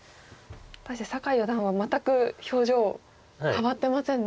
対して酒井四段は全く表情変わってませんね。